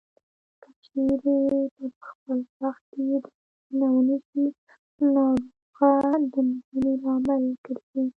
که چېرې پر خپل وخت یې درملنه ونشي د ناروغ د مړینې لامل ګرځي.